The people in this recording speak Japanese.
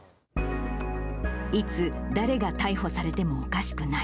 いつ誰が逮捕されてもおかしくない。